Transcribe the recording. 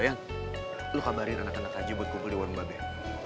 yan lu kabarin anak anak aja buat kumpul di warung babek